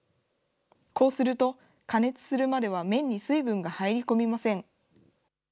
こうすると、加熱するまでは麺に水分が入り込みません。